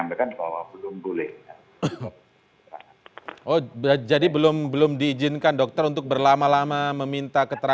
sebenarnya dengan informasi itu penyidik telah kembali dari singapura